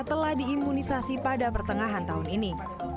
telah diimunisasi pada pertengahan tahun ini